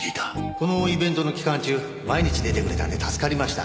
このイベントの期間中毎日出てくれたんで助かりました。